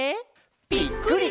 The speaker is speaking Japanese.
ぴっくり！